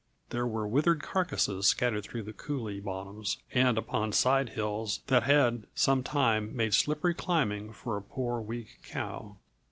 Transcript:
There were withered carcasses scattered through the coulée bottoms and upon side hills that had some time made slippery climbing for a poor, weak cow.